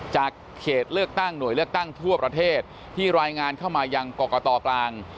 เขตเลือกตั้งหน่วยเลือกตั้งทั่วประเทศที่รายงานเข้ามายังกรกตกลาง